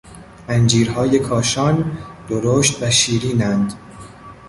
انجیرهای کاشان درشت و شیرین اند.